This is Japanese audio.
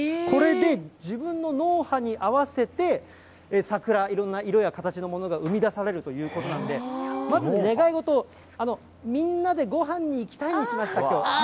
これで自分の脳波に合わせて、桜、いろんな色や形のものが生み出されるということなんで、まず願い事を、みんなでごはんに行きたいにしました、きょう。